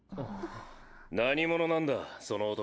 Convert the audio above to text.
何者なんだその男。